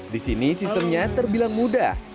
di sini sistemnya terbilang mudah